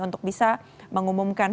untuk bisa mengumumkan